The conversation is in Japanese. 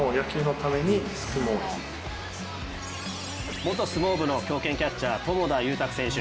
元相撲部の強肩キャッチャー、友田佑卓選手。